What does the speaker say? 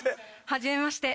はじめまして。